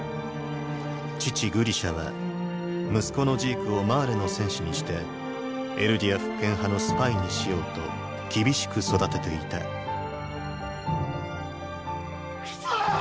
父グリシャは息子のジークをマーレの戦士にしてエルディア復権派のスパイにしようと厳しく育てていたクソッ！！